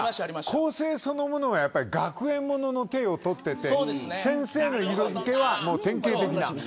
構成そのものは学園もののていを取っていて先生の色付けは典型的。